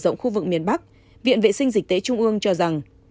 rộng khu vực miền bắc viện vệ sinh dịch tế trung ương cho rằng